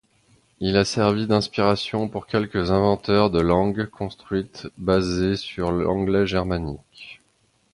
Il a servi d'inspiration pour quelques inventeurs de langues construites basées sur l'anglais germanique.